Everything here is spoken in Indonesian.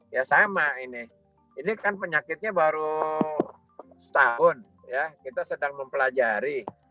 ya sama ini ini kan penyakitnya baru setahun ya kita sedang mempelajari